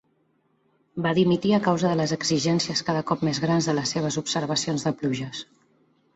Va dimitir a causa de les exigències cada cop més grans de les seves observacions de pluges.